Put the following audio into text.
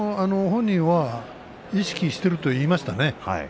本人は意識していると言いましたね。